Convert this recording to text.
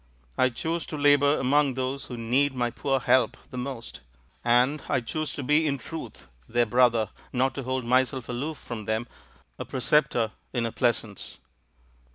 I choose to labour among those who need my poor help the most; and I choose to be in truth their brother — not to hold myself aloof from them, a preceptor in a pleasance."